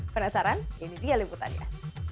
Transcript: penasaran ini dia liputannya